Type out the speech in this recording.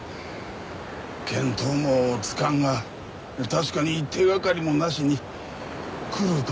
見当もつかんが確かに手掛かりもなしに来るとは思えんな。